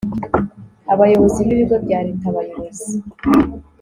Abayobozi b Ibigo bya Leta Abayobozi